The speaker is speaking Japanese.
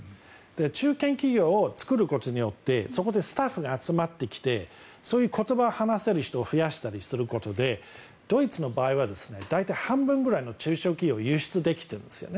中堅企業を作ることによってそこにスタッフが集まってきてそういう言葉を話せる人を増やしたりすることでドイツの場合は大体半分くらいの中小企業が輸出できているんですよね。